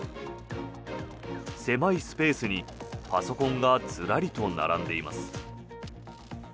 狭いスペースにパソコンがずらりと並んでいます。